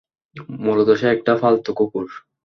মূলত সে একটা ফালতু কুকুর।